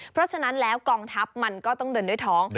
เพราะฉะนั้นแล้วกองทัพมันก็ต้องเดินด้วยท้อง